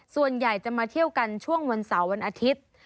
ส่วนใหญ่จะมาเที่ยวกันช่วงวันเสาร์วันอาทิตย์